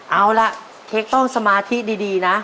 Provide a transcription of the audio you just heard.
เอาล่ะเค้กต้องสมาธิดีนะ